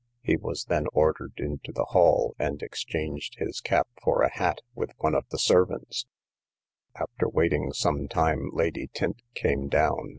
He was then ordered into the hall, and exchanged his cap for a hat with one of the servants; after waiting some time lady Tynte came down.